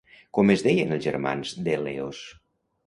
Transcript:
Com es deien els germans d'Èleos?